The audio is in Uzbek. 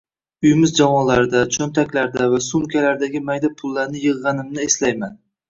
Uyimiz javonlarida, cho‘ntaklarda va sumkalardagi mayda pullarni yig‘ganimni eslayman.